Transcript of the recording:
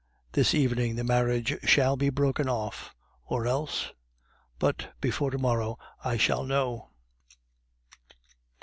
This evening the marriage shall be broken off, or else... But before to morrow I shall know."